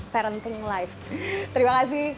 parenting life terima kasih